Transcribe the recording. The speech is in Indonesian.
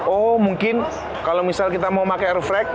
oh mungkin kalau misal kita mau pakai airfract